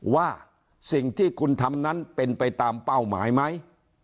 ว่าสิ่งที่คุณทำนั้นเป็นไปตามเป้าหมายไหม